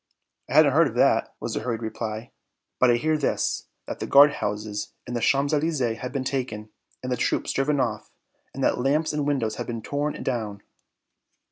"I hadn't heard of that," was the hurried reply. "But I hear this, that the guard houses in the Champs Elysées have been taken, and the troops driven off, and that lamps and windows have been torn down."